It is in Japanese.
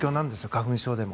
花粉症でも。